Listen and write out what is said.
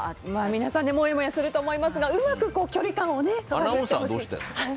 皆さんもやもやすると思いますがうまく距離感を。